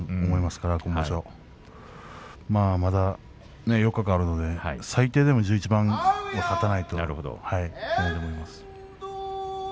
今場所はまだまだ４日間あるので最低でも１１番勝たないといけないと思います。